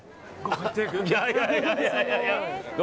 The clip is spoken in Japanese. いやいや。